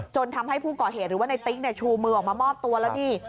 ทำให้ผู้ก่อเหตุหรือว่าในติ๊กชูมือออกมามอบตัวแล้วนี่